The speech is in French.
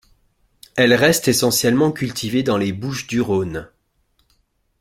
Elle reste essentiellement cultivée dans les Bouches-du-Rhône.